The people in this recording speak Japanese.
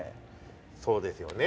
そうですよね。